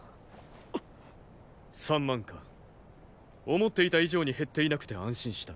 三万か思っていた以上に減っていなくて安心した。